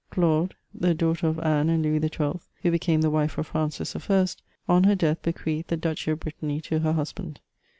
Claude, the daughter of Anne and Louis XII., who became the wife of Francis I., on her death bequeathed the Duchy of Brittany to her husband.